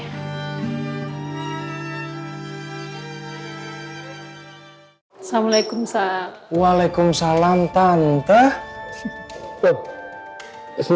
kesuksesanalid kalian semua